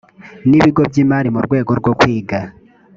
n ibigo by imari mu rwego rwo kwiga